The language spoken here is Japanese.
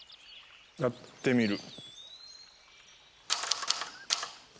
やってみる。